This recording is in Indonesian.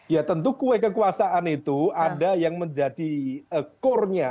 ya tentu kue kekuasaan itu ada yang menjadi core nya